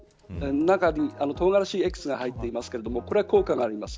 中に唐辛子エキスが入っていますがこれは効果があります。